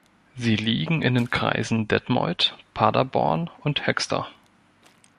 Sie liegen in den Kreisen Detmold, Paderborn und Höxter.